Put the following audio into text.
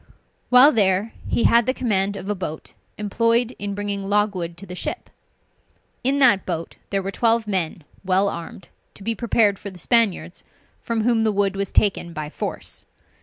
While there, he had the command of a boat employed in bringing logwood to the ship. In that boat there were twelve men well armed, to be prepared for the Spaniards, from whom the wood was taken by force.